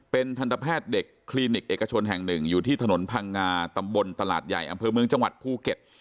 เป็นทันตแพทย์เด็กคลินิกเอกชนแห่งหนึ่งอยู่ที่ถนนพังงาตำบลตลาดใหญ่อำเภอเมืองจังหวัดภูเก็ต